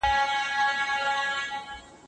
هم یې توري هم توپونه پرېښودله